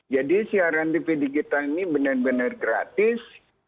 jadi siaran tv digital ini benar benar gratis